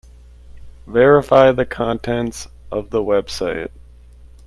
Verify the contents of the website.